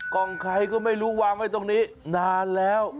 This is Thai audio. กองไทก็ไม่ลุวางไว้ตรงนี้นานแล้ว